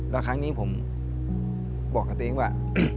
แล้วครั้งนี้ผมบอกกับตัวเองว่า